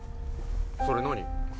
それ何？